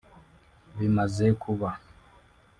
Bimaze kuba